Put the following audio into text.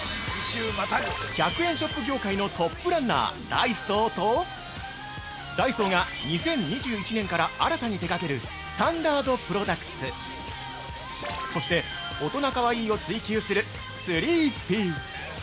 ◆１００円ショップ業界のトップランナー「ダイソー」とダイソーが２０２１年から新たに手がける「スタンダードプロダクツ」そして、大人かわいいを追求する「スリーピー」